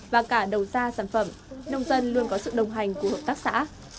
và cả đầu ra sản phẩm nông dân luôn có sự đồng hành của hợp tác xã